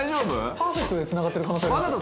「パーフェクトでつながってる可能性ありますよ」